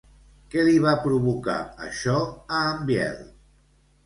Què li va provocar això a en Biel?